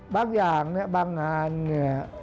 บางอย่างเนี่ยบางงานเนี่ย